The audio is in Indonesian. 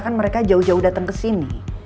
kan mereka jauh jauh dateng kesini